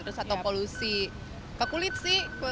terus atau polusi ke kulit sih